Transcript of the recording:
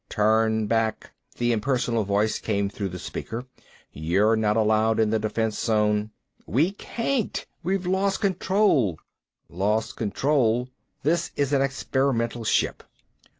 "Turn back," the impersonal voice came through the speaker. "You're not allowed in the defense zone." "We can't. We've lost control." "Lost control?" "This is an experimental ship."